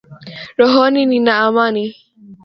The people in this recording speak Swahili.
Rohoni nina amani.